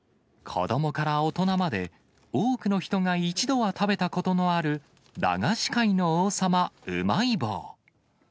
子どもから大人まで、多くの人が一度は食べたことのある駄菓子界の王様、うまい棒。